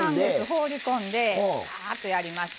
放り込んでバーッとやります。